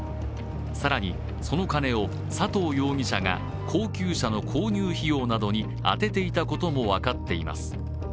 更にその金を佐藤容疑者が高級車の購入費用などに充てていたことも分かっています。